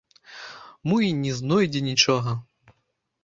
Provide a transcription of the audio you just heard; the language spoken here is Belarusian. Мо й не знойдзе нічога?